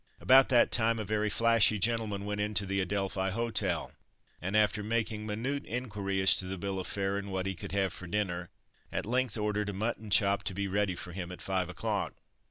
About that time a very flashy gentleman went into the Adelphi Hotel, and after making minute inquiry as to the bill of fare, and what he could have for dinner, at length ordered "a mutton chop to be ready for him at five o'clock."